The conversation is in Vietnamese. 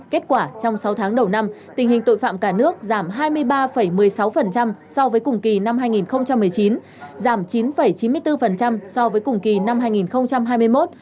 kết quả trong sáu tháng đầu năm tình hình tội phạm cả nước giảm hai mươi ba một mươi sáu so với cùng kỳ năm hai nghìn một mươi chín giảm chín chín mươi bốn so với cùng kỳ năm hai nghìn hai mươi một